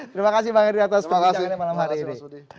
terima kasih bang heri atas perbincangannya malam hari ini